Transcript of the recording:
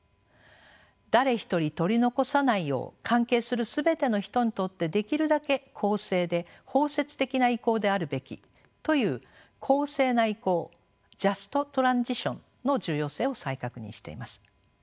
誰一人取り残さないよう関係する全ての人にとってできるだけ公正で包摂的な移行であるべきという公正な移行ｊｕｓｔｔｒａｎｓｉｔｉｏｎの重要性を再確認しています。